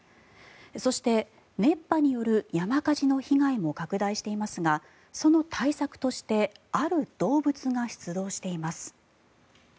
そして、熱波による山火事の被害も拡大していますがその対策としてある動物が出動しています。